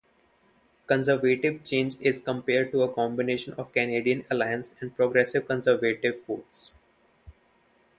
Conservative change is compared to a combination of Canadian Alliance and Progressive Conservative votes.